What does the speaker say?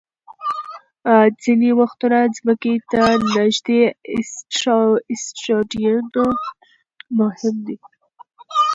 ځینې وختونه ځمکې ته نږدې اسټروېډونه مهم وي.